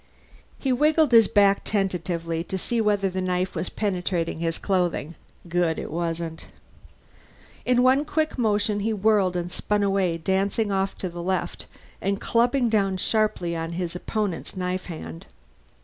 He wiggled his back tentatively to see whether the knife was penetrating his clothing. Good; it wasn't. In one quick motion he whirled and spun away, dancing off to the left and clubbing down sharply on his opponent's knife hand.